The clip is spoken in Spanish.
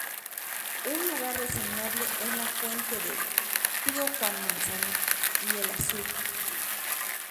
Un lugar reseñable es la Fuente del "Tío Juan Manzano" y el Azud.